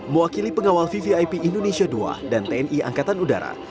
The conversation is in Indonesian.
mewakili pengawal vvip indonesia ii dan tni angkatan udara